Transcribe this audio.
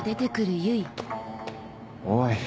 おい。